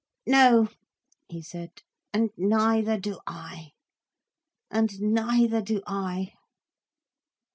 "No," he said, "and neither do I, and neither do I."